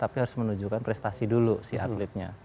tapi harus menunjukkan prestasi dulu si atletnya